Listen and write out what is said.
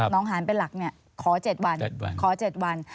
น้องหาญเป็นหลักเนี่ยขอเจ็ดวันขอเจ็ดวัน